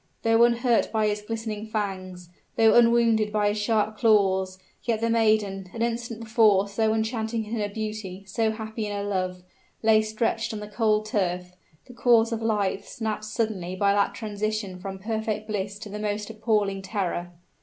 Though unhurt by his glistening fangs though unwounded by his sharp claws, yet the maiden an instant before so enchanting in her beauty, so happy in her love lay stretched on the cold turf, the cords of life snapped suddenly by that transition from perfect bliss to the most appalling terror!